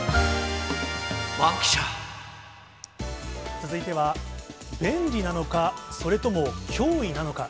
続いては、便利なのか、それとも脅威なのか。